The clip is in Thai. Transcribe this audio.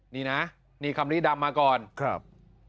นี่นะนี่คำนี้ดำมาก่อนครับ